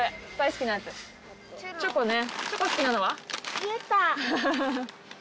チョコね。